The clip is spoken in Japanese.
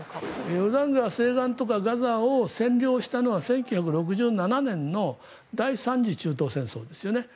ヨルダン川西岸とかガザを占領したのは１９６７年の第３次中東戦争ですよね。